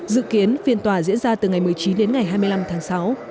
dự kiến phiên tòa diễn ra từ ngày một mươi chín đến ngày hai mươi năm tháng sáu